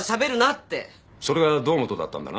ってそれが堂本だったんだな？